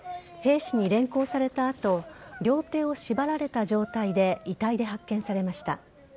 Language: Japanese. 兵士に連行された後両手を縛られた状態で遺体で発見されました。